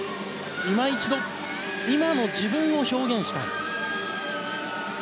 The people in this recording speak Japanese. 今一度、今の自分を表現したい。